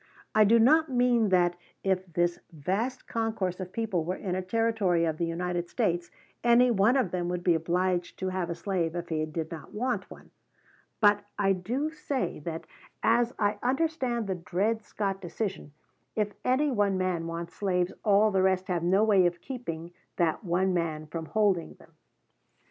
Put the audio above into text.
I do not mean that, if this vast concourse of people were in a Territory of the United States, any one of them would be obliged to have a slave if he did not want one; but I do say that, as I understand the Dred Scott decision, if any one man wants slaves all the rest have no way of keeping that one man from holding them.